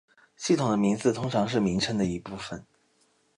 系统的名字通常是名称的一部分。